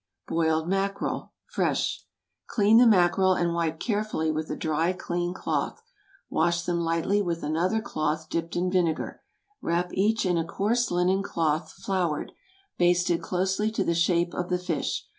BOILED MACKEREL. (Fresh.) ✠ Clean the mackerel and wipe carefully with a dry, clean cloth; wash them lightly with another cloth dipped in vinegar; wrap each in a coarse linen cloth (floured) basted closely to the shape of the fish.